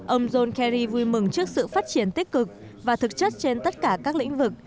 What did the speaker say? ông john kerry vui mừng trước sự phát triển tích cực và thực chất trên tất cả các lĩnh vực